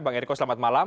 bang eriko selamat malam